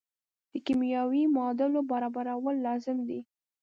د کیمیاوي معادلو برابرول لازم دي.